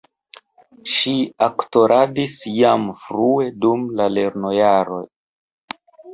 Ŝi aktoradis jam frue dum la lernojaroj.